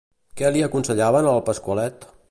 Què li aconsellaven al Pasqualet?